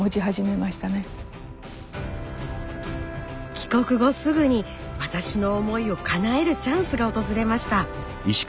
帰国後すぐに私の思いをかなえるチャンスが訪れました。